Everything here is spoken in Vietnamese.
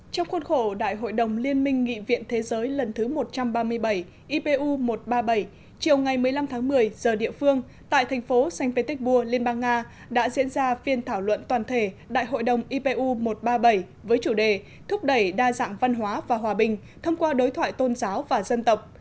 trong khuôn khổ đại hội đồng liên minh nghị viện thế giới lần thứ một trăm ba mươi bảy ipu một trăm ba mươi bảy chiều ngày một mươi năm tháng một mươi giờ địa phương tại thành phố saint petersburg liên bang nga đã diễn ra phiên thảo luận toàn thể đại hội đồng ipu một trăm ba mươi bảy với chủ đề thúc đẩy đa dạng văn hóa và hòa bình thông qua đối thoại tôn giáo và dân tộc